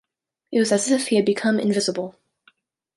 It was as if he had become invisible.